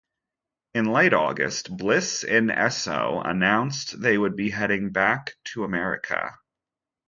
In late August, Bliss n Eso announced they would be heading back to America.